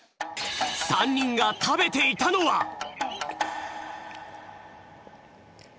３にんがたべていたのは！？え！？